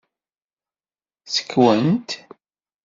Ssekwen-t.